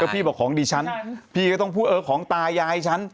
พี่บอกของดิฉันพี่ก็ต้องพูดเออของตายายฉัน